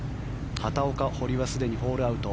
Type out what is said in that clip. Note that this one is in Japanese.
畑岡、堀はすでにホールアウト。